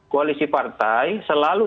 koalisi partai selalu